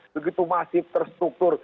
begitu masif terstruktur